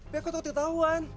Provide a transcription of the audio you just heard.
tapi aku tau ketahuan